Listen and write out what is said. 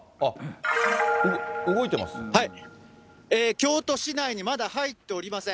京都市内にまだ入っておりません。